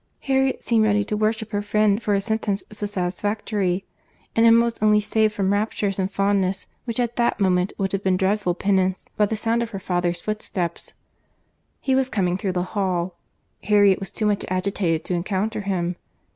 Harriet seemed ready to worship her friend for a sentence so satisfactory; and Emma was only saved from raptures and fondness, which at that moment would have been dreadful penance, by the sound of her father's footsteps. He was coming through the hall. Harriet was too much agitated to encounter him.